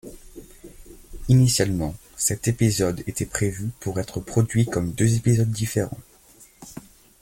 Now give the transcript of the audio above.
Initialement, cet épisode était prévu pour être produit comme deux épisodes différents.